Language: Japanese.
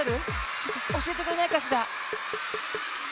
ちょっとおしえてくれないかしら？